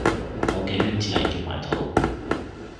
我嘅圈子係叫埋土